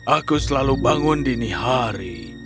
aku selalu bangun dini hari